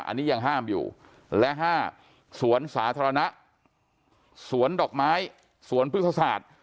อันนี้ยังห้ามอยู่และ๕สวนสาธารณะสวนดอกไม้สวนพฤษศาสตร์